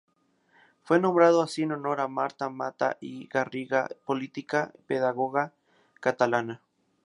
Fue nombrado así en honor a Marta Mata i Garriga, política y pedagoga catalana.